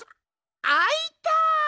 あいた！